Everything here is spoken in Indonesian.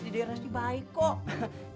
di deras sih baik kok